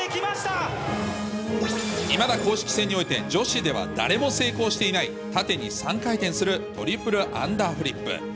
いまだ公式戦において、女子ではだれも成功していない、縦に３回転するトリプルアンダーフリップ。